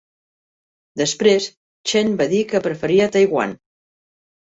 Després, Chen va dir que preferia Taiwan.